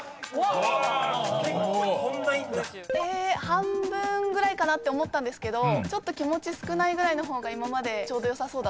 半分ぐらいかなって思ったんですけど気持ち少ないぐらいの方が今までちょうどよさそうだった。